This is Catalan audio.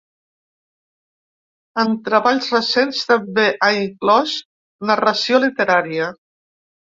En treballs recents també ha inclòs narració literària.